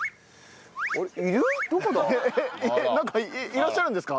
いらっしゃるんですか？